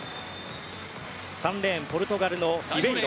３レーンポルトガルのヒベイロ。